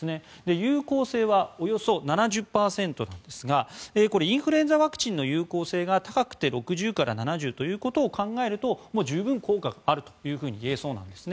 有効性はおよそ７０％なんですがこれはインフルエンザワクチンの有効性が高くて６０％から７０％ということを考えると十分効果があるといえそうなんですね。